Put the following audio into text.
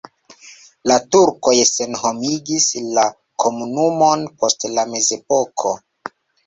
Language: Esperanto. La turkoj senhomigis la komunumon post la mezepoko.